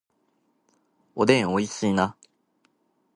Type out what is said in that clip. おでん美味しいな